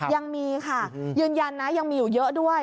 ยังมีค่ะยืนยันนะยังมีอยู่เยอะด้วย